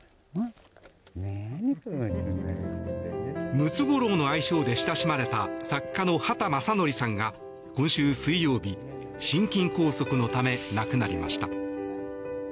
ムツゴロウの愛称で親しまれた作家の畑正憲さんが今週水曜日心筋梗塞のため亡くなりました。